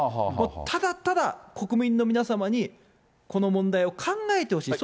ただただ国民の皆様に、この問題を考えてほしい。